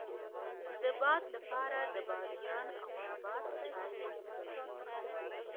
د باد لپاره د بادیان او نبات چای وڅښئ